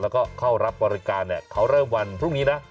แล้วก็เข้ารับบริการเขาเริ่มวันพรุ่งนี้นะ